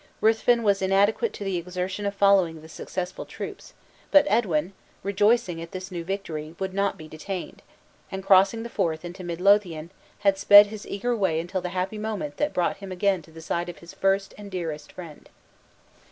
Ruthven was inadequate to the exertion of following the successful troops, but Edwin, rejoicing at this new victory, would not be detained, and crossing the Forth into Mid Lothian, had sped his eager way until the happy moment that brought him again to the side of his first and dearest friend.